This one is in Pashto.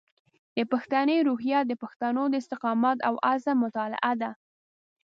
د پښتني روحیه د پښتنو د استقامت او عزم مطالعه ده.